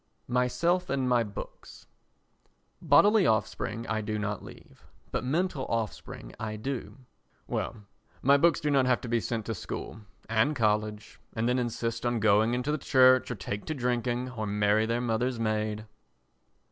Myself and My Books Bodily offspring I do not leave, but mental offspring I do. Well, my books do not have to be sent to school and college and then insist on going into the Church or take to drinking or marry their mother's maid.